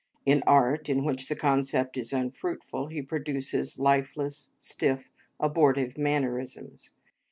In art, in which the concept is unfruitful, he produces lifeless, stiff, abortive mannerisms.